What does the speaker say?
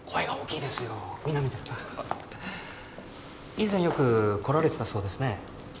以前よく来られてたそうですね。